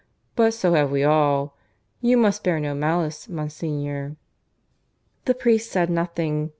"But so have we all. You must bear no malice, Monsignor." The priest said nothing.